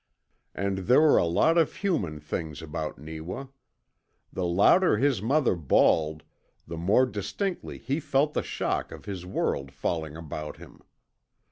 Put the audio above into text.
And there were a lot of human things about Neewa. The louder his mother bawled the more distinctly he felt the shock of his world falling about him.